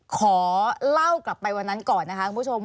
ขอเล่ากลับไปวันนั้นก่อนนะคะคุณผู้ชม